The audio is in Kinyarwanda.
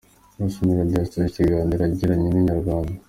Bruce Melody yasoje ikiganiro yagiranye na inyarwanda.